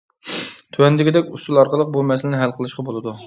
تۆۋەندىكىدەك ئۇسۇل ئارقىلىق بۇ مەسىلىنى ھەل قىلىشقا بولىدۇ.